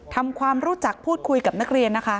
ทำความรู้จักพูดคุยกับนักเรียนนะคะ